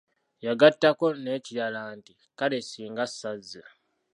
Yagattako n'ekirala nti:"kale ssinga sazze"